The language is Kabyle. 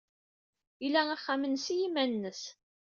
Ila axxam-nnes i yiman-nnes.